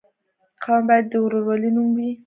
قوم باید د ورورولۍ نوم وي.